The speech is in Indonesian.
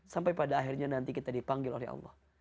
sampai pada akhirnya nanti kita dipanggil oleh allah